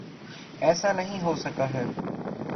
ایسا نہیں ہو سکا ہے۔